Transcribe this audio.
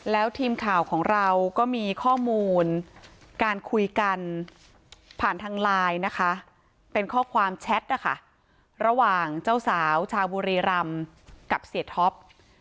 แล้วทีมข่าวของเราก็มีข้อมูลการคุยกันผ่านทางไลน์นะคะเป็นข้อความแชทนะคะระหว่างเจ้าสาวชาวบุรีรำกับเสียท็อป